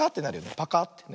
パカッてね。